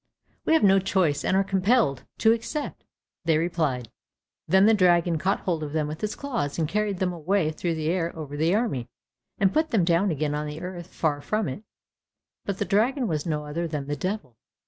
"We have no choice and are compelled to accept," they replied. Then the dragon caught hold of them with his claws, and carried them away through the air over the army, and put them down again on the earth far from it; but the dragon was no other than the Devil.